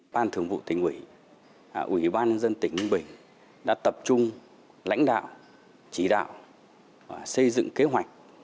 ban thường vụ tỉnh ủy ủy ban nhân dân tỉnh ninh bình đã tập trung lãnh đạo chỉ đạo xây dựng kế hoạch